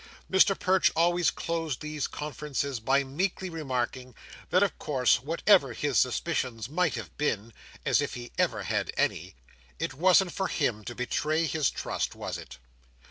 Mr Perch always closed these conferences by meekly remarking, that, of course, whatever his suspicions might have been (as if he had ever had any!) it wasn't for him to betray his trust, was it?